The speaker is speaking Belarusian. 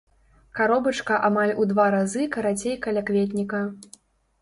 Каробачка амаль у два разы карацей калякветніка.